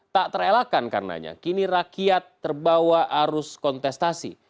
tak terelakkan karenanya kini rakyat terbawa arus kontestasi